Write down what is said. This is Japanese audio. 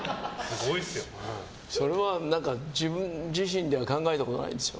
それは自分自身では考えたことないんですよ。